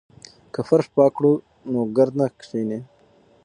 که فرش پاک کړو نو ګرد نه کښیني.